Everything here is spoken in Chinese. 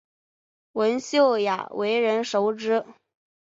文秀雅为人熟知。